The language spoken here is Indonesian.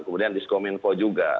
kemudian diskominfo juga